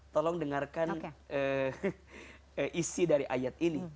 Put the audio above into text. tolong dengarkan isi dari ayat ini